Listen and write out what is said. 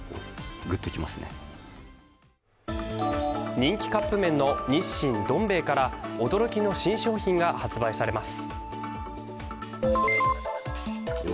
人気カップ麺の日清どん兵衛から驚きの新商品が発売されます。